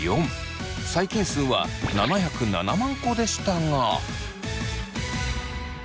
細菌数は７０７万個でしたが。